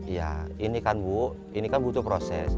ya ini kan bu ini kan butuh proses